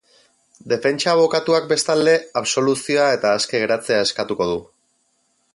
Defentsa abokatuak bestalde absoluzioa eta aske geratzea eskatuko du.